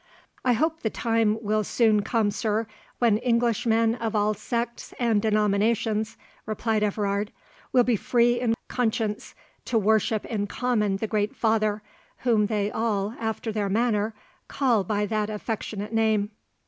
"I hope the time will soon come, sir, when Englishmen of all sects and denominations," replied Everard, "will be free in conscience to worship in common the great Father, whom they all after their manner call by that affectionate name."